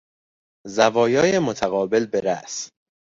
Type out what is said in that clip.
زوایای متقابل برأس